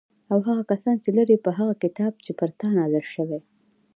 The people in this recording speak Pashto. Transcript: او هغه کسان چې لري په هغه کتاب چې پر تا نازل شوی